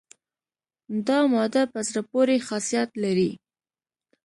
دا ماده په زړه پورې خاصیت لري.